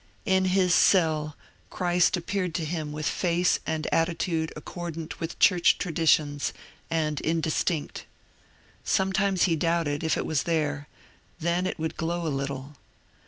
In his cell Christ appeared to him with face and attitude accordant with church traditions, and indistinct Sometimes he doubted if it was there ; then it would glow a little."